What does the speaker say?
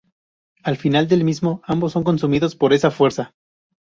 Al final del mismo, ambos son consumidos por esa fuerza.